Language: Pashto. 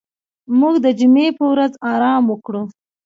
موږ به د جمعې په ورځ آرام وکړو.